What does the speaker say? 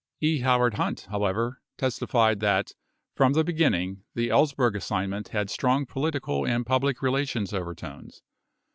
15 E. Howard Hunt, however, testified that from the beginning the Ellsberg assignment had strong political and public relations over tones.